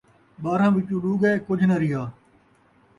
ٻارہاں وچوں ݙو ڳئے، کجھ ناں ریہا